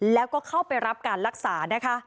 และเข้าไปรับการรักษา